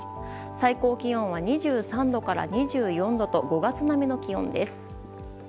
最高気温は２３度から２４度と５月並みの気温です。